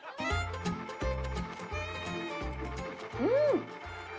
うん！